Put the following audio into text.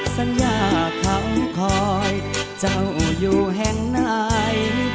สัญญาทั้งคอยเจ้าอยู่แห่งไหน